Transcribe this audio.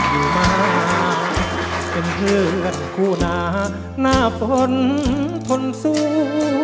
อยู่มาเป็นเพื่อนคู่หนาหน้าฝนทนสู้